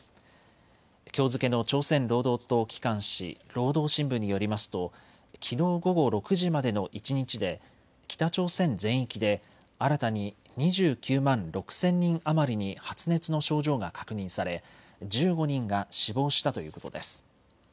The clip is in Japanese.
きょう付けの朝鮮労働党機関紙、労働新聞によりますときのう午後６時までの一日で北朝鮮全域で新たに２９万６０００人余りに発熱の症状が確認され１５人が死亡したということです。